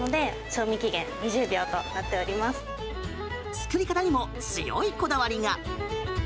作り方にも強いこだわりが。